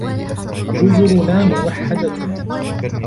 جزرنا موحدة.